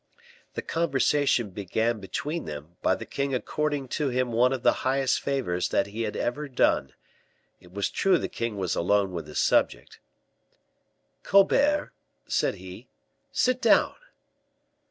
The conversation began between them by the king according to him one of the highest favors that he had ever done; it was true the king was alone with his subject. "Colbert," said he, "sit down."